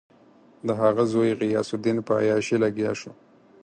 د هغه زوی غیاث الدین په عیاشي لګیا شو.